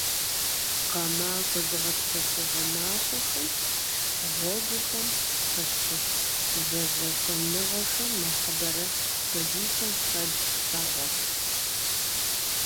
Гъэмахуэ зыгъэпсэхугъуэ махуэхэм гъуэгухэм къыщыхъу зэжьэхэуэныгъэхэм нэхъыбэрэ сабийхэм фэбжь щагъуэт.